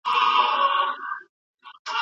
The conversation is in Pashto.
هغې په هر ګام کې تدبیر درلود.